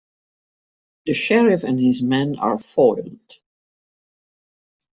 The sheriff and his men are foiled.